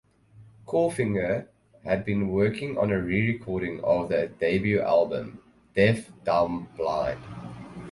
Clawfinger had been working on a re-recording of their debut album "Deaf Dumb Blind".